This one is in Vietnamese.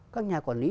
các nhà quản lý